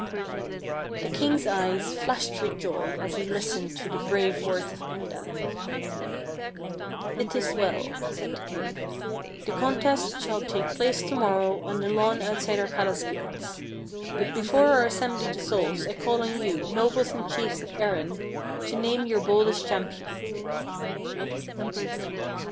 The king's eyes flashed with joy as he listened to the brave words of Enda. " It is well," said the king ;" the contest shall take place to morrow on the lawn outside our palace gates ; but before our assembly dissolves I call on you, nobles and chiefs of Erin, to name your boldest champion."